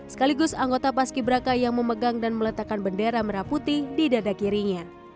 sekaligus anggota paski braka yang memegang dan meletakkan bendera merah putih di dada kirinya